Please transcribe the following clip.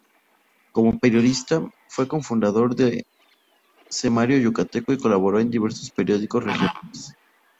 Como periodista, fue co-fundador de "Semanario Yucateco" y colaboró en diversos periódicos regionales.